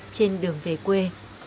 trên đường về quê